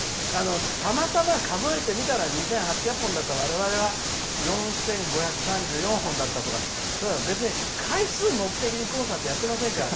たまたま数えてみたら２８００本だった、われわれは４５３４本だったとかそういうのは別に回数を目的にコンサートやってませんから。